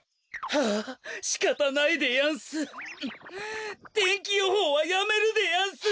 はあしかたないでやんす天気予報はやめるでやんす。